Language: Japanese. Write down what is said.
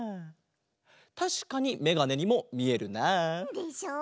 たしかにめがねにもみえるなあ。でしょう？